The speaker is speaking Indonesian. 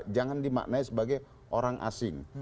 jangan dimaknai sebagai orang asing